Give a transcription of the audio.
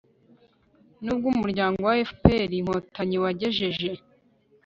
n'ubwo umuryango fpr-inkotanyi wagejeje